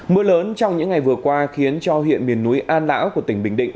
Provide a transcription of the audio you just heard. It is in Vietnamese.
mưa lớn trong những ngày vừa qua khiến cho huyện miền núi an lão của tỉnh bình định